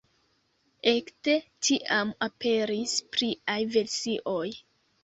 Ekde tiam aperis pliaj versioj.